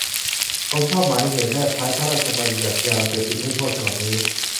ผมชอบหมายเหตุแนบท้ายพระราชบัญญัติยาเสพติดให้โทษฉบับนี้